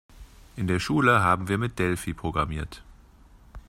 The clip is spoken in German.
In der Schule haben wir mit Delphi programmiert.